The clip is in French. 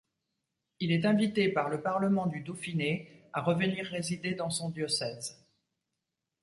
Il est invité par le Parlement du Dauphiné à revenir résider dans son diocèse.